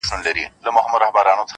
o وېل سینه کي به یې مړې ډېوې ژوندۍ کړم,